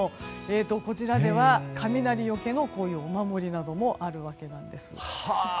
こちらでは、雷除けのお守りなどもあるわけなんです。